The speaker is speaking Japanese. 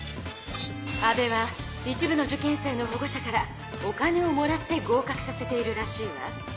安部は一部の受験生の保護者からお金をもらって合かくさせているらしいわ。